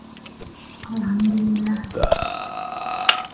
Shoggoths were initially used to build the cities of their masters.